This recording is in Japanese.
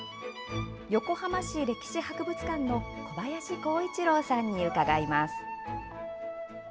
横浜市歴史博物館の小林光一郎さんに伺います。